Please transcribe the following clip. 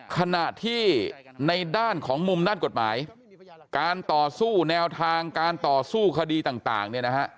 ขณะที่ในด้านของมุมนัดกฎหมายการต่อสู้แนวทางการต่อสู้คดีต่าง